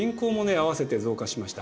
併せて増加しました。